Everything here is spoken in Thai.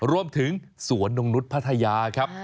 รวมถึงสวนนกนุฏพัทยา